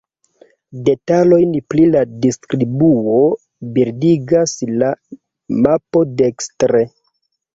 Detalojn pri la distribuo bildigas la mapo dekstre.